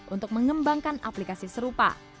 untuk mengembangkan aplikasi serupa